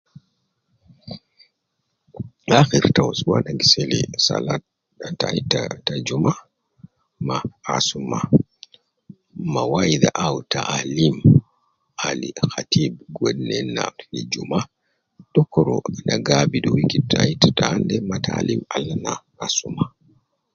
Akir ta usbu an gi seli Sala tayi ta juma ma asuma mawaidha au taalim Al khati. Wedi neina fi juma dukur negaabidu wiki taan de me taalim Al Ina asuma